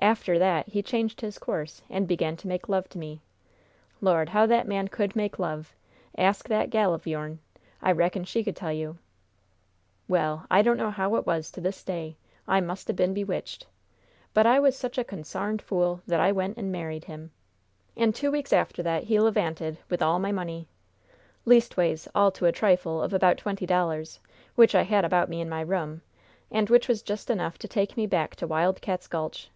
"After that he changed his course and began to make love to me! Lord, how that man could make love! Ask that gal of your'n! I reckon she could tell you! "Well, I don't know how it was to this day! I must 'a' been bewitched! But I was such a cornsarned fool that I went and married him! And two weeks after that he levanted, with all my money! Leastways, all to a trifle of about twenty dollars, which I had about me in my room, and which just was enough to take me back to Wild Cats' Gulch.